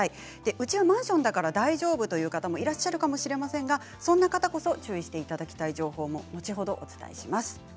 うちはマンションだから大丈夫という方もいらっしゃるかもしれませんがそんな方こそ注意していただきたい情報も後ほどお伝えします。